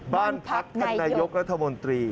บ้านพักท่านนายกรัฐมนตรี